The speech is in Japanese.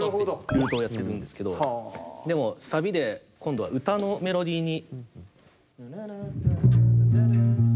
ルートをやってるんですけどでもサビで今度は歌のメロディーに。